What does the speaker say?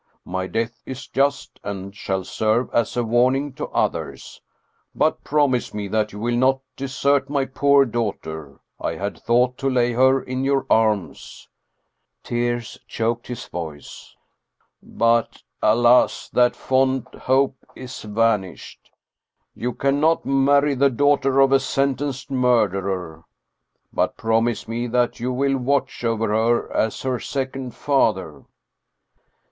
My death is just, and shall serve as a warning to others. But promise me that you will not desert my poor daughter. I had thought to lay her in your arms " tears choked his voice " but, alas, that fond hope is vanished. You can not marry the daughter of a sentenced murderer. But promise me that you will watch over her as her second father."